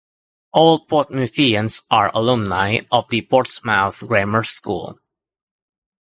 Old Portmuthians are alumni of The Portsmouth Grammar School.